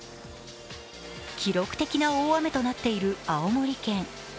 記録的な大雨となっている青森県。